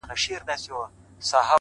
• اې د مځكى پر مخ سيورې د يزدانه,